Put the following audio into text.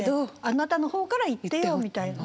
「あなたの方から言ってよ」みたいな。